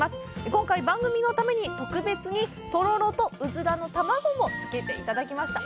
今回番組のために特別にとろろと、うずらの卵も付けていただきました。